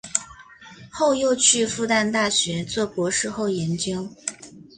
后又去复旦大学做博士后研究。